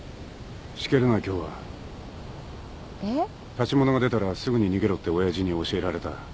「立ちものが出たらすぐに逃げろ」って親父に教えられた。